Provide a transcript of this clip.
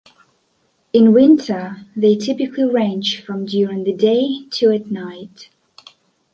In winter, they typically range from during the day to at night.